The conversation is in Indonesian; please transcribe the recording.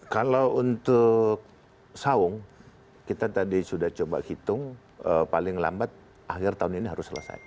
kalau untuk saung kita tadi sudah coba hitung paling lambat akhir tahun ini harus selesai